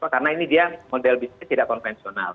karena ini dia model bisnis tidak konvensional